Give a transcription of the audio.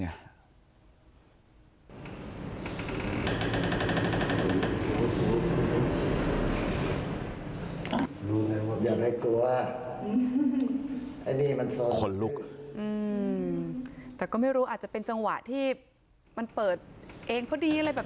รู้ไหมว่าอย่าให้กลัวอันนี้มันคนลุกอืมแต่ก็ไม่รู้อาจจะเป็นจังหวะที่มันเปิดเองพอดีอะไรแบบ